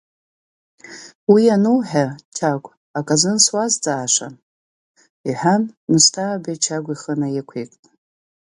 Уи ануҳәа, Чагә, аказын суазҵашаан, — иҳәан, Мысҭаабе Чагә ихы наиқәикт.